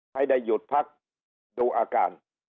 ให้ได้หยุดพักดูอาการ